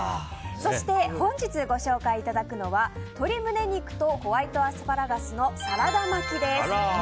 そして、本日ご紹介いただくのは鶏胸肉とホワイトアスパラガスのサラダ巻きです。